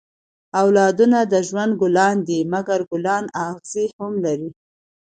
اولادونه د ژوند ګلان دي؛ مکر ګلان اغزي هم لري.